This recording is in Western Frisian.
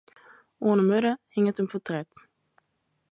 Oan 'e muorre hinget in portret.